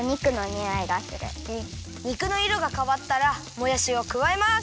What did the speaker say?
肉のいろがかわったらもやしをくわえます。